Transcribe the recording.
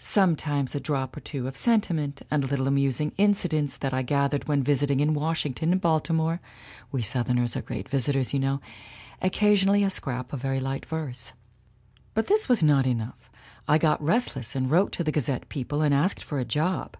Sometimes a drop or two of sentiment and little amusing incidents that SOPHIE KERR 229 I gathered when visiting in Washington and Baltimore we Southerners are great visitors, you know occa sionally a scrap of very light verse. "But this was not enough. I got restless and I wrote to the Gazette people and asked for a job.